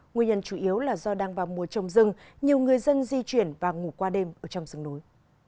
nguyên nhân chủ yếu là do đang vào mùa trồng rừng nhiều người dân di chuyển và ngủ qua đêm ở trong rừng núi